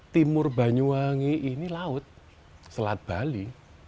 timur banyuwangi ini laut selat bali